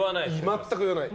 全く言わない。